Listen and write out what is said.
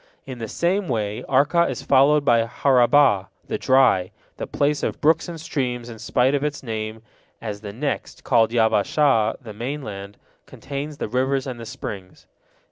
In the same way Arka is followed by Harabah, the dry, the place of brooks and streams in spite of its name, as the next, called Yabbashah, the mainland, contains the rivers and the springs.